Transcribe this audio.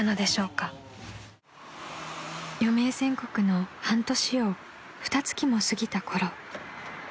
［余命宣告の半年をふた月も過ぎたころ］